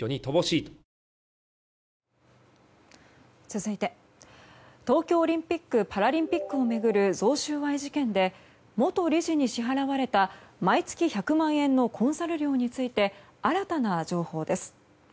続いて東京オリンピック・パラリンピックを巡る贈収賄事件で元理事に支払われた毎月１００万円のコンサル料について新たな情報です。